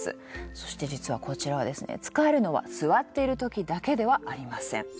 そして実はこちらはですね使えるのは座っているときだけではありません。